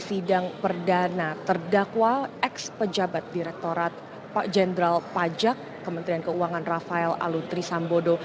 sidang perdana terdakwa ex pejabat direktorat pak jenderal pajak kementerian keuangan rafael aluntri sambodo